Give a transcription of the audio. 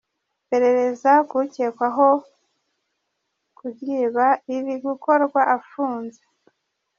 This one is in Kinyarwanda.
Iperereza ku ukekwaho kuryiba riri gukorwa afunze.